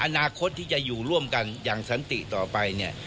อนาคตที่จะอยู่ร่วมกันอย่างสันติต่อไปเนี่ย